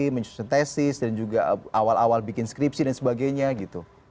menyusun tesis dan juga awal awal bikin skripsi dan sebagainya gitu